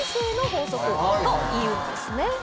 というんですね。